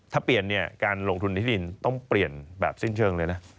ถ้าเปลี่ยนเนี่ยการลงทุนที่ดินต้องเปลี่ยนแบบสิ้นเชิงเลยนะ